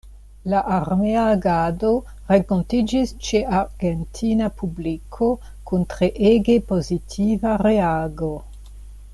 La armea agado renkontiĝis ĉe argentina publiko kun treege pozitiva reago.